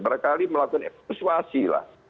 barangkali melakukan persuasi lah